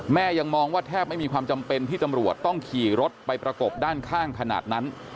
ยังมองว่าแทบไม่มีความจำเป็นที่ตำรวจต้องขี่รถไปประกบด้านข้างขนาดนั้น